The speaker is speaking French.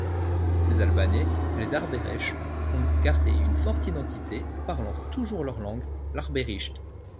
Ces Albanais, les Arbëresh, ont gardé une forte identité, parlant toujours leur langue, l’arbërisht.